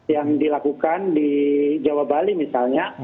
yang dilakukan di jawa bali misalnya